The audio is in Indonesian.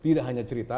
tidak hanya cerita